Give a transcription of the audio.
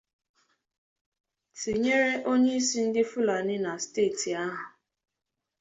tinyere onyeisi ndị Fụlani na steeti ahụ